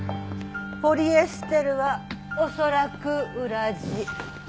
ポリエステルは恐らく裏地。